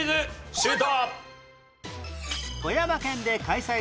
シュート！